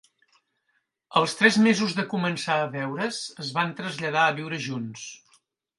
Als tres mesos de començar a veure"s, es van traslladar a viure junts.